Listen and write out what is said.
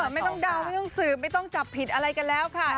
ไม่ต้องเดาไม่ต้องสืบไม่ต้องจับผิดอะไรกันแล้วค่ะ